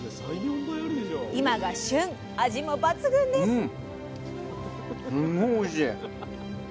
今が旬味も抜群です。